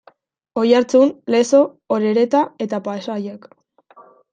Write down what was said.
Oiartzun, Lezo, Orereta eta Pasaiak.